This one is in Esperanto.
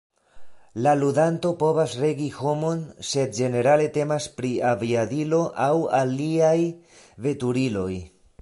La ludanto povas regi homon sed ĝenerale temas pri aviadilo aŭ aliaj veturiloj.